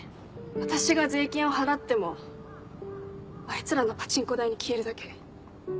私が税金を払ってもあいつらのパチンコ代に消えるだけ。